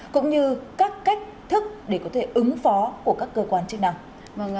cũng như các cách thức để có thể ứng phó của các cơ quan chức năng